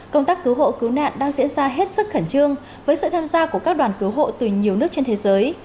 công tác cứu hộ cứu nạn đang diễn ra hết sức khẩn trương với sự tham gia của các đoàn cứu hộ từ nhiều nước trên thế giới